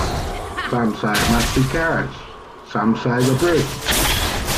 Some think it must be Carrots, some say the Brick.